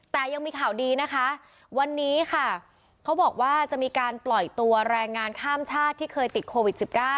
แต่ยังมีข่าวดีนะคะวันนี้ค่ะเขาบอกว่าจะมีการปล่อยตัวแรงงานข้ามชาติที่เคยติดโควิด๑๙